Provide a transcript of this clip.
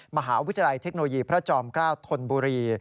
มหาวิทยาลัยเทคโนโลยีพระจอม๙ธนบุรี